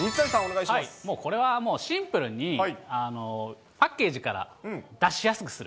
もうこれは、もうシンプルに、パッケージから出しやすくする。